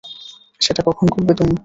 সেটা কখন করবে তুমি?